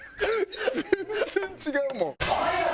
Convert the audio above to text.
全然違うもん。